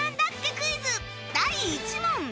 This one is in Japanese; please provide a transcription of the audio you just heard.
クイズ第１問。